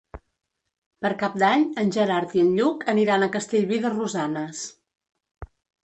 Per Cap d'Any en Gerard i en Lluc aniran a Castellví de Rosanes.